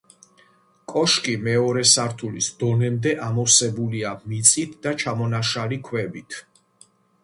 კოშკი მეორე სართულის დონემდე ამოვსებულია მიწით და ჩამონაშალი ქვებით.